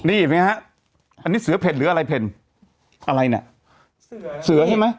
นี่ไหมฮะอันนี้เสือเผ็ดหรืออะไรเผ็ดอะไรเนี่ยเสือเสือใช่ไหม